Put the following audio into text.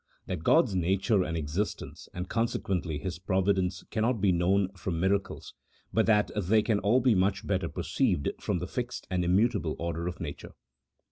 That God's nature and existence, and consequently His providence cannot be known from miracles, but that they can all be much better perceived from the fixed and immutable order of nature.